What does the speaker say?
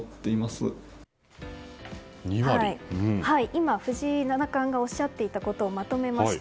今、藤井七冠がおっしゃっていたことをまとめました。